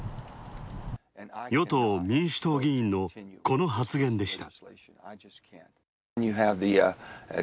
与党・民主党のこの発言でした。